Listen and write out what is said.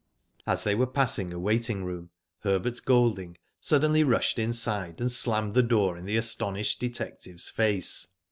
As they were passing a waiting room Herbert Golding suddenly rushed inside and slammed the door in the astonished detective's face.